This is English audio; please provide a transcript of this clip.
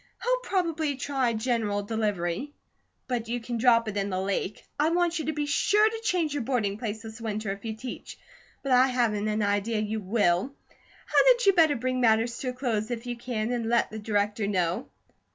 He'll probably try general delivery, but you can drop it in the lake. I want you to be sure to change your boarding place this winter, if you teach; but I haven't an idea you will. Hadn't you better bring matters to a close if you can, and let the Director know?